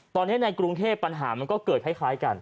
ตอนนี้ในกรุงเทพปัญหามันก็เกิดคล้ายกัน